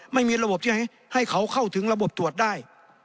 ไม่มีระบบใช่ไหมให้เขาเข้าถึงระบบตรวจได้